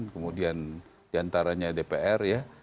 kemudian diantaranya dpr ya